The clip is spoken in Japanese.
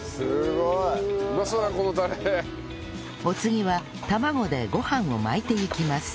お次は卵でご飯を巻いていきます